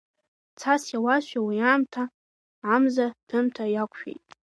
Цас иауазшәа, уи аамҭа амза ҭәымҭа иақәшәеит.